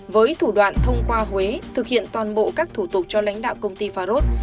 với thủ đoạn thông qua huế thực hiện toàn bộ các thủ tục cho lãnh đạo công ty faros